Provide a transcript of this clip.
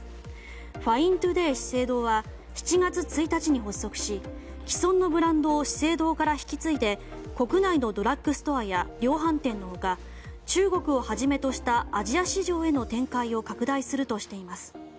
ファイントゥデイ資生堂は７月１日に発足し既存のブランドを資生堂から引き継いで国内のドラッグストアや量販店の他、中国をはじめとしたアジア市場への展開を拡大するとしています。